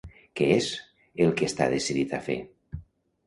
Què és el que està decidit a fer?